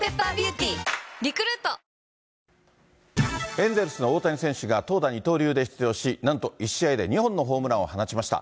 エンゼルスの大谷選手が、投打二刀流で出場し、なんと１試合で２本のホームランを放ちました。